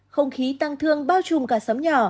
không khí tăng thương bao trùm cả xóm nhỏ